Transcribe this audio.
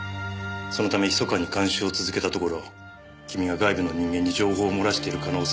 そのため密かに監視を続けたところ君が外部の人間に情報を漏らしている可能性が浮上した。